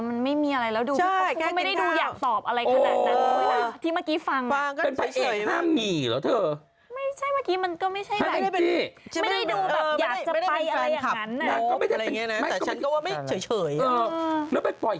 มันไม่มีอะไรแล้วดูเขาคุณไม่ได้ดูอยากตอบอะไรขนาดนั้น